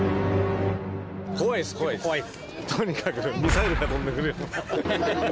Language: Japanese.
とにかく。